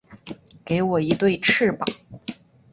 给我一对翅膀